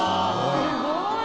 すごい。